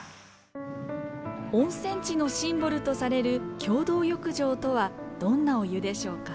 温泉地のシンボルとされる共同浴場とはどんなお湯でしょうか？